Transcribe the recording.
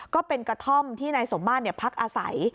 ก็เป็นกระท่อมที่นายสมมาตรพักอาศัย